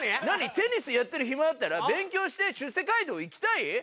「テニスやってる暇あったら勉強して出世街道行きたい」？